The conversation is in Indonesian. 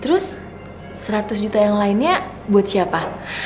terus seratus juta yang lainnya buat siapa